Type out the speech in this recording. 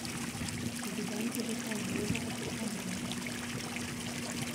Sie begann ihre Karriere als Opernsängerin.